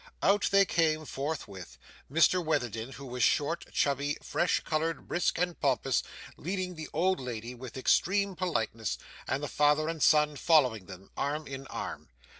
Out they came forthwith; Mr Witherden, who was short, chubby, fresh coloured, brisk, and pompous, leading the old lady with extreme politeness, and the father and son following them, arm in arm.